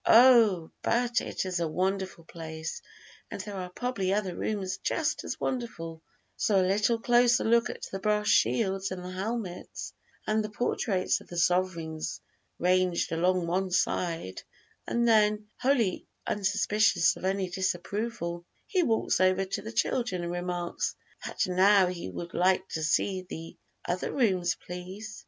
Oh, but it is a wonderful place! and there are probably other rooms just as wonderful; so a little closer look at the brass shields and the helmets, and the portraits of the sovereigns ranged along one side, and then, wholly unsuspicious of any disapproval, he walks over to the children and remarks "that now he would like to see the other rooms, please."